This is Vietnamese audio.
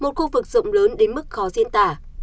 một khu vực rộng lớn đến mức khó diên tả